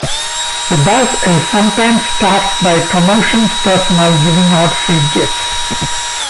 The bus is sometimes staffed by promotions personnel, giving out free gifts.